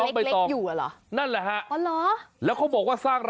ในร่องคลนส่วนยาง